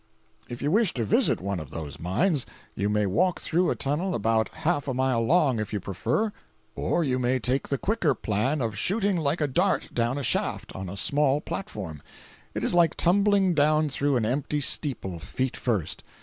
380.jpg (161K) If you wish to visit one of those mines, you may walk through a tunnel about half a mile long if you prefer it, or you may take the quicker plan of shooting like a dart down a shaft, on a small platform. It is like tumbling down through an empty steeple, feet first.